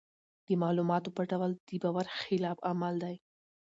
د معلوماتو پټول د باور خلاف عمل دی.